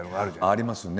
ありますよね。